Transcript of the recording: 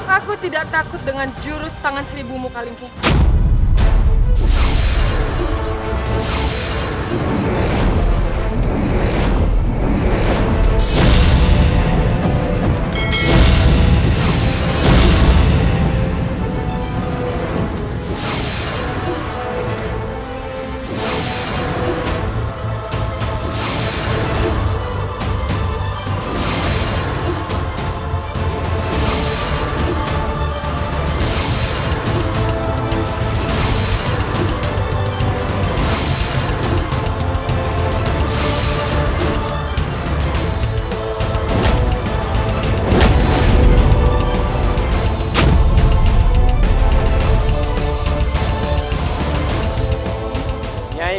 aku tidak takut dengan jurus tangan seribu muka lingkungan